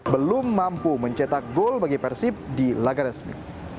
belum mampu mencetak gol bagi persib di laga resmi